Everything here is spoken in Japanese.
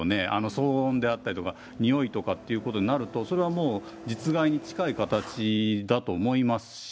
騒音であったりとか、臭いとかっていうことになると、それはもう、実害に近い形だと思いますし。